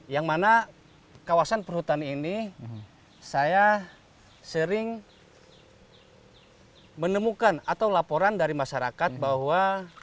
yang mana kawasan perhutani ini saya sering menemukan atau laporan dari masyarakat bahwa